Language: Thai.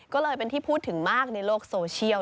ก็เลยเป็นที่พูดถึงมากในโลกโซเชียล